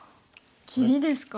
切りですか。